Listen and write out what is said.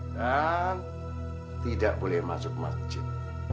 dan tidak boleh masuk masjid